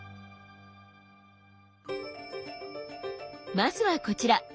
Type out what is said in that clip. まずはこちら。